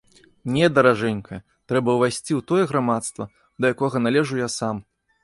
Не, даражэнькая, трэба ўвайсці ў тое грамадства, да якога належу я сам.